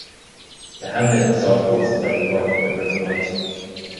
The hamlet of Saltcoats lies north of the River Mite.